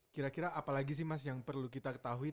kira kira apalagi sih mas yang perlu kita ketahui